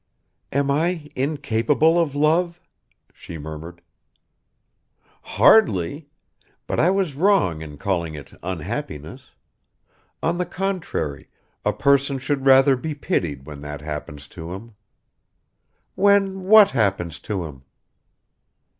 "Am I incapable of love?" she murmured. "Hardly! But I was wrong in calling it unhappiness. On the contrary, a person should rather be pitied when that happens to him." "When what happens to him?"